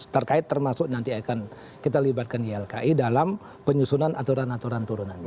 terkait termasuk nanti akan kita libatkan ylki dalam penyusunan aturan aturan turunannya